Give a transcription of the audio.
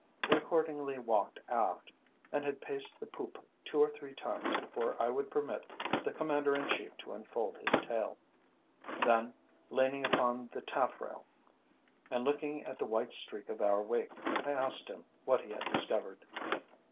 We accordingly walked aft, and had paced the poop two or three times before I would permit the Commander in Chief to unfold his tale. Then leaning upon the taffrail, and looking at the white streak of our wake, I asked him what he had discovered.